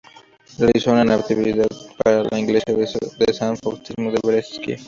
Realizó una Natividad para la iglesia de San Faustino en Brescia.